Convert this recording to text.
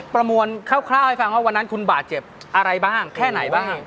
ประมวลคร่าวให้ฟังว่าวันนั้นคุณบาดเจ็บอะไรบ้างแค่ไหนบ้าง